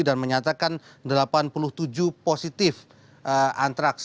dan menyatakan delapan puluh tujuh positif antraks